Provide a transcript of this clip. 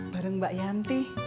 bareng mbak yanti